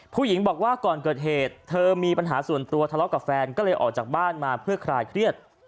ผู้หญิงบอกว่าก่อนเกิดเหตุเธอมีปัญหาส่วนตัวทะเลาะกับแฟนก็เลยออกจากบ้านมาเพื่อคลายเครียด